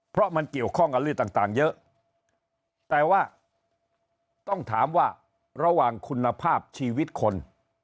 เพราะมันเกี่ยวข้องกับเรื่องต่างเยอะแต่ว่าต้องถามว่าระหว่างคุณภาพชีวิตคน